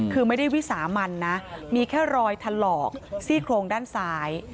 คือไม่ได้วิสามันนะมีแค่รอยถลอกซี่โครงด้านซ้าย